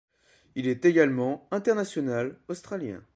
Il est également international australien.